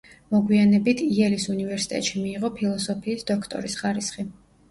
მოგვიანებით იელის უნივერსიტეტში მიიღო ფილოსოფიის დოქტორის ხარისხი.